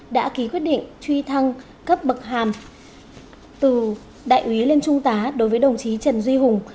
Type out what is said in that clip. đã ký quyết định truy thăng cấp bậc hàm từ đại úy lên trung tá đối với đồng chí trần duy hùng